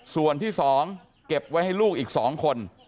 ส่วนที่๒เก็บไว้ให้ลูกอีก๒คน